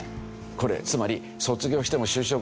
これつまり卒業しても就職できない